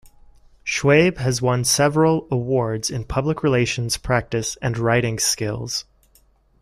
Shuaib has won several awards in public relations practice and writing skills.